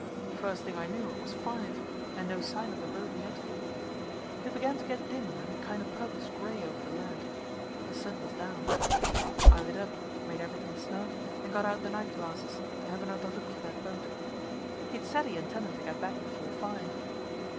First thing I knew it was five, and no sign of the boat yet. It began to get dim and kind of purplish gray over the land. The sun was down. I lit up, made everything snug, and got out the night glasses to have another look for that boat. He'd said he intended to get back before five.